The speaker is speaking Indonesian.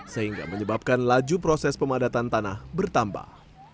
sehingga menyebabkan laju proses pemadatan tanah bertambah